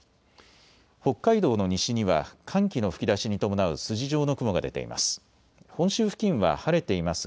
北海道の西には寒気の吹き出しに伴う筋状の雲が出ています。